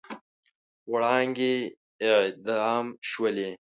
وړانګې اعدام شولې